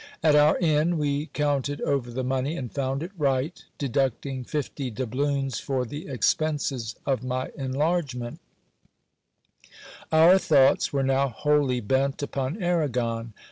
At our inn we counted over the money, and found it right, deducting fifty doubloons for the expenses of my enlargement Our thoughts were now wholly bent upon Arragon.